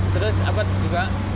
terus apa juga